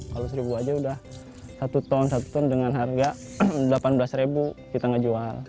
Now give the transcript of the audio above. kalau seribu aja udah satu ton satu ton dengan harga delapan belas ribu kita nggak jual